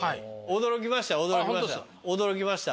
驚きました。